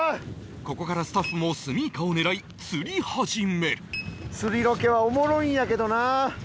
ここからスタッフもスミイカを狙い釣り始める釣りロケはおもろいんやけどなあ。